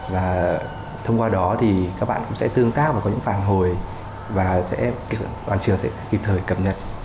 và thông qua đó thì các bạn cũng sẽ tương tác và có những phản hồi và đoàn trường sẽ kịp thời cập nhật